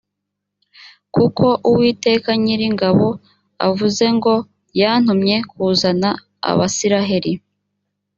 kuko uwiteka nyiringabo avuze ngo yantumye kuzana abasiraheli